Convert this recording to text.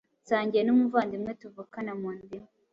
nsangiye n’umuvandimwe tuvukana munda imwe